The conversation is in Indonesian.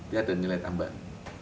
dia ada nilai tambahan